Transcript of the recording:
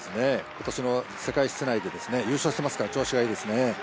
今年の世界室内で優勝していますから調子がいいですね。